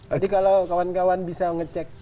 jadi kalau kawan kawan bisa ngecek